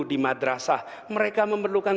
di madrasah mereka memerlukan